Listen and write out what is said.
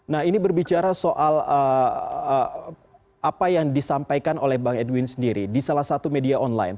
nah ini berbicara soal apa yang disampaikan oleh bang edwin sendiri di salah satu media online